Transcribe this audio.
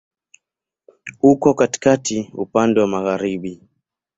Uko katikati, upande wa magharibi.